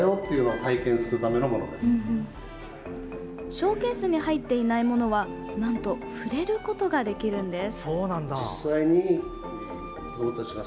ショーケースに入っていないものはなんと、触れることができるんです。